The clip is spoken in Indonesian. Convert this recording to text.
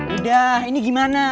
udah ini gimana